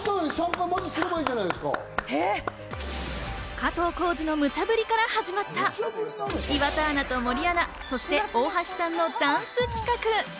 加藤浩次のむちゃぶりから始まった岩田アナと森アナ、そして大橋さんのダンス企画。